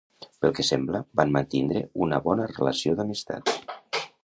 Pel que sembla, van mantindre una bona relació d'amistat.